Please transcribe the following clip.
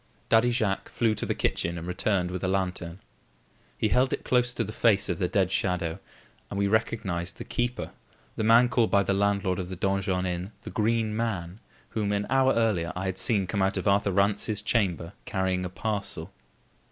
Daddy Jacques flew to the kitchen and returned with a lantern. He held it close to the face of the dead shadow, and we recognised the keeper, the man called by the landlord of the Donjon Inn the Green Man, whom, an hour earlier, I had seen come out of Arthur Rance's chamber carrying a parcel.